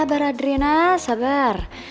boy dateng kecil